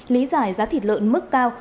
lý giải giá thịt lợn mức cao